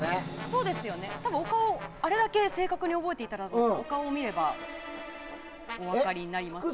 そうですよね、お顔をあれだけ正確に覚えていたらお顔を見ればお分かりになりますよね。